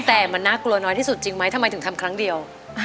แต่มันน่ากลัวน้อยที่สุดจริงไหมทำไมถึงทำครั้งเดียว